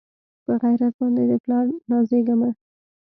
پۀ غېرت باندې د پلار نازېږه مۀ